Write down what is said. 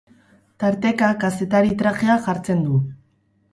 Tarteka kazetari trajea jatzen du.